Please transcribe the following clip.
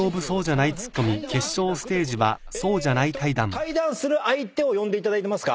対談する相手を呼んでいただいてますか？